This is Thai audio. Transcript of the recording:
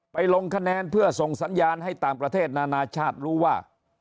ลงคะแนนเพื่อส่งสัญญาณให้ต่างประเทศนานาชาติรู้ว่า